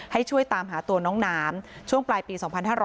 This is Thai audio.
ให้ช่วยตามหาตัวน้องน้ำช่วงปลายปี๒๕๕๙